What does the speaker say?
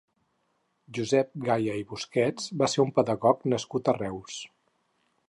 Josep Gaya i Busquets va ser un pedagog nascut a Reus.